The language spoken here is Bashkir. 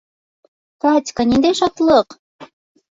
— Катька, ниндәй шатлыҡ!